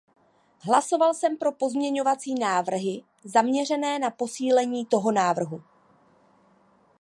Hlasoval jsem pro pozměňovací návrhy zaměřené na posílení toto návrhu.